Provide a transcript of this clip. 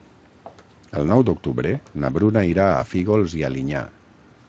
El nou d'octubre na Bruna irà a Fígols i Alinyà.